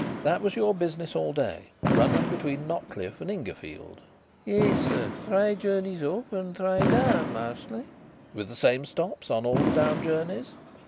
"That was your business all day running between Notcliff and Ingerfield?" "Yes, sir. Three journeys up and three down mostly." "With the same stops on all the down journeys?"